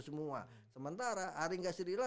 semua sementara haringa sirila